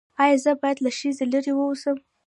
ایا زه باید له ښځې لرې اوسم؟